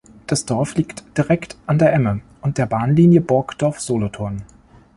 Das Dorf liegt direkt an der Emme und der Bahnlinie Burgdorf-Solothurn.